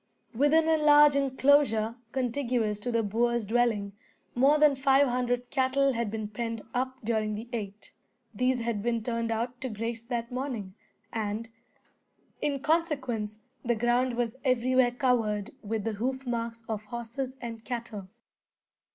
Within a large enclosure, contiguous to the boer's dwelling, more than five hundred cattle had been penned up during the eight. These had been turned out to graze that morning, and, in consequence, the ground was everywhere covered with the hoof marks of horses and cattle.